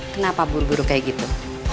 kenapa buru buru kayak gitu